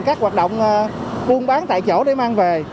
các hoạt động buôn bán tại chỗ để mang về